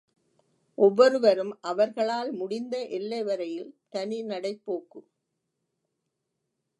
ஒவ்வொருவ்ரும் அவர்களால் முடிந்த எல்லை வரையில் தனி நடைப்போக்கு.